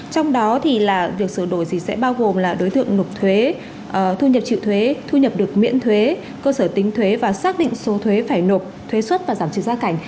trong đó thì là việc sửa đổi gì sẽ bao gồm là đối tượng nộp thuế thu nhập trịu thuế thu nhập được miễn thuế cơ sở tính thuế và xác định số thuế phải nộp thuế xuất và giảm trừ gia cảnh